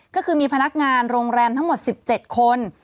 ก็คือมีพนักงานโรงแรมทั้งหมด๑๗คน